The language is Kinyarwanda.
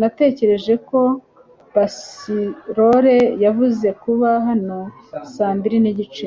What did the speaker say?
Natekereje ko Basrore yavuze kuba hano saa mbiri nigice .